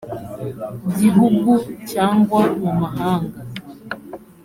gihugu cyangwa mu mahanga